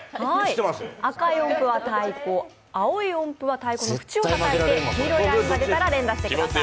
赤い音符は太鼓、青い音符は太鼓のふちをたたいて、黄色いラインが出たら連打してください。